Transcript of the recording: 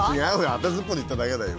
当てずっぽうで言っただけだよ